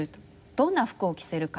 どんな服を着せるか。